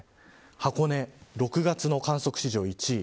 箱根、６月の観測史上１位。